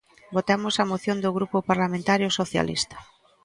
Votamos a moción do Grupo Parlamentario Socialista.